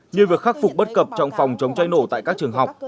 như việc khắc phục bất cập trong phòng chống cháy nổ tại các trường học